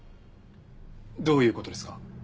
どういう事ですか？